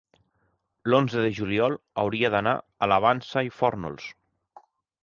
l'onze de juliol hauria d'anar a la Vansa i Fórnols.